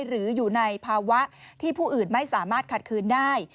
หรืออยู่ในภาวะที่ผู้อื่นไม่สามารถขัดคืนได้